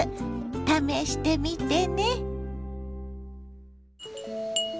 試してみてね。